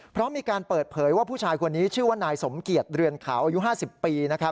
เพราะมีการเปิดเผยว่าผู้ชายคนนี้ชื่อว่านายสมเกียจเรือนขาวอายุ๕๐ปี